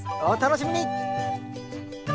お楽しみに！